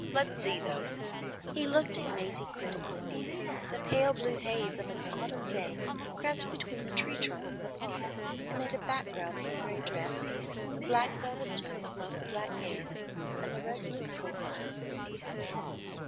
Let's see, though." He looked at Maisie critically. The pale blue haze of an autumn day crept between the tree trunks of the Park and made a background for the gray dress, the black velvet toque above the black hair, and the resolute profile.